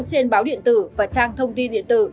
trên báo điện tử và trang thông tin điện tử